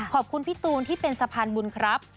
ขอบคุณพี่ตูนที่เป็นสะพานบุญครับ